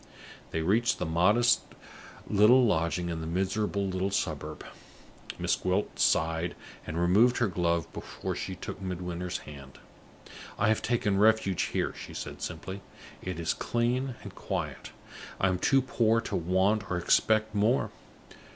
They reached the modest little lodging in the miserable little suburb. Miss Gwilt sighed, and removed her glove before she took Midwinter's hand. "I have taken refuge here," she said, simply. "It is clean and quiet; I am too poor to want or expect more.